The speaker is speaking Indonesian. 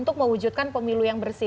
untuk mewujudkan pemilu yang bersih